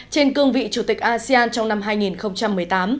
trên cương vị chủ tịch asean trong năm hai nghìn một mươi tám